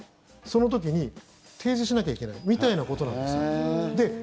その時に提示しなきゃいけないみたいなことなんですよ。